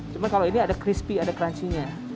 cuma kalau ini ada crispy ada crunchy nya